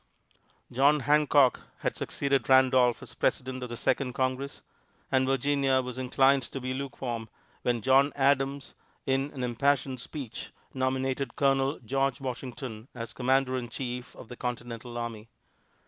John Hancock had succeeded Randolph as president of the second Congress, and Virginia was inclined to be lukewarm, when John Adams in an impassioned speech nominated Colonel George Washington as Commander in Chief of the Continental Army.